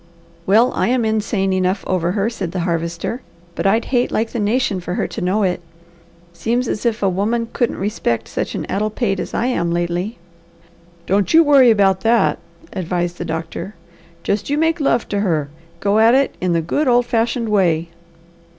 "Well I'm insane enough over her," said the Harvester, "but I'd hate like the nation for her to know it. Seems as if a woman couldn't respect such an addle pate as I am lately." "Don't you worry about that," advised the doctor. "Just you make love to her. Go at it in the good old fashioned way."